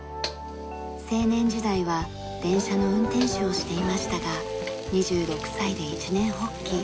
青年時代は電車の運転手をしていましたが２６歳で一念発起。